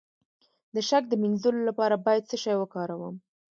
د شک د مینځلو لپاره باید څه شی وکاروم؟